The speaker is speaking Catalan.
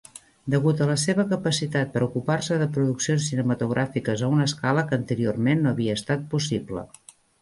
Degut a la seva capacitat per ocupar-se de produccions cinematogràfiques a una escala que anteriorment no havia estat possible.